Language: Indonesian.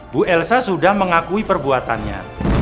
bu elsa sudah mengakui perbuatannya